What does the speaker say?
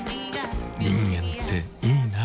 人間っていいナ。